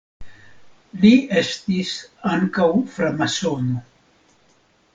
Li estis ankaŭ framasono.